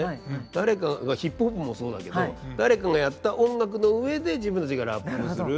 誰かがヒップホップもそうだけど誰かがやった音楽の上で自分たちがラップする。